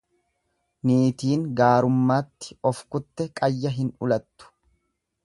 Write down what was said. Niitiin gaarummaatti of kutte qayya hin ulattu.